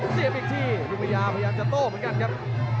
เสียบอีกทีลูกพยายามพยายามจะโต้เหมือนกันครับ